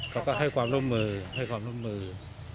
เขาก็ให้ความร่วมมือให้ความร่วมมือ